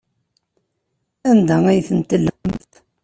Anda ay tent-tellmemt?